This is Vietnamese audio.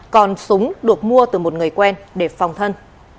còn súng được mua từ một người quen để phòng thân